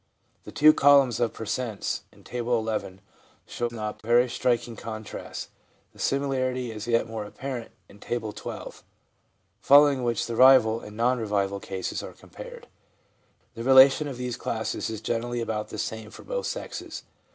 The two columns of per cents, in Table XI. show no very striking contrasts. The similarity is yet more apparent in Table XII. following, in which the revival and non revival cases are compared. The relation of these classes is generally about the same for both sexes.